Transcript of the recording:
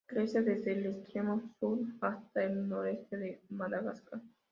Crece desde el extremo sur hasta el noroeste de Madagascar.